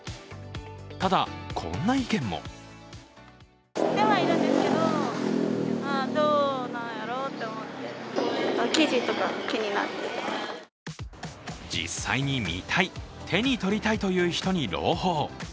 ただ、こんな意見も実際に見たい、手に取りたいという人に朗報。